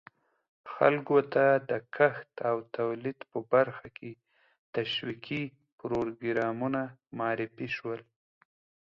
خلکو ته د کښت او تولید په برخه کې تشویقي پروګرامونه معرفي شول.